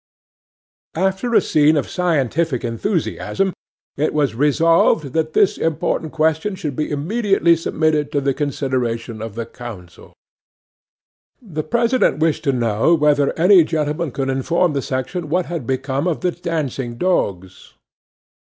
'After a scene of scientific enthusiasm it was resolved that this important question should be immediately submitted to the consideration of the council. 'THE PRESIDENT wished to know whether any gentleman could inform the section what had become of the dancing dogs?